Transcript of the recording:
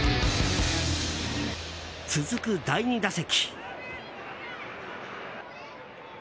続く第２打席。